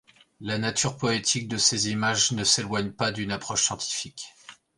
La nature poétique de ces images ne s’éloigne pas d’une approche scientifique.